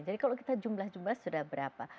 jadi kalau kita jumlah jumlah sudah berapa